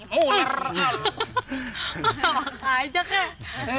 makan aja kek